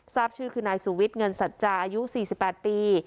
ทราบชื่อคือนายสุวิทย์เงินสัจจาอายุ๔๘ปี